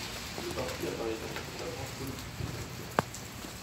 Le parti apparaît donc comme la branche politique des syndicats.